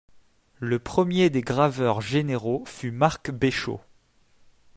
Le premier des Graveurs généraux fut Marc Béchot.